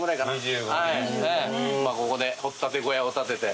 ここで掘っ立て小屋を建てて。